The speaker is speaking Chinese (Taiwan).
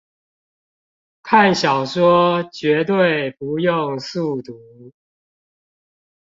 看小說絕對不用速讀